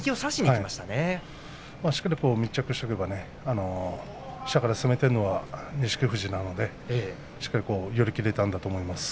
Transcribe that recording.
しっかり密着していれば下から攻めているのは錦富士なので寄り切れたんだと思います。